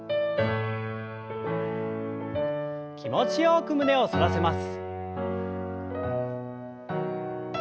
気持ちよく胸を反らせます。